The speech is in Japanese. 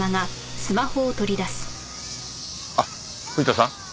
あっ藤田さん？